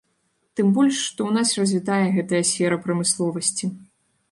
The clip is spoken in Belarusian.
Тым больш што ў нас развітая гэтая сфера прамысловасці.